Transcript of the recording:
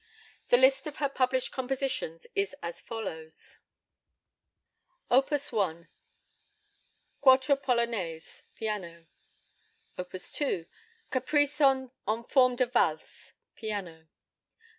The list of her published compositions is as follows: Op. 1, Quartre Polonaises, piano. Op. 2, Caprices en Forme de Valses, piano.